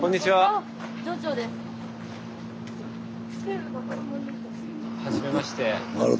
あ！はじめまして。